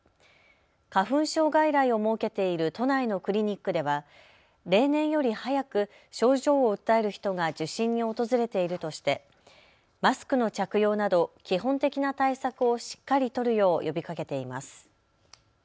花粉症外来を設けている都内のクリニックでは例年より早く症状を訴える人が受診に訪れているとしてマスクの着用など基本的な対策をしっかり取るよう呼びかけています。